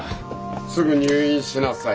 すぐ入院しなさい。